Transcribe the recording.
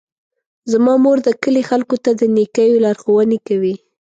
زما مور د کلي خلکو ته د نیکیو لارښوونې کوي.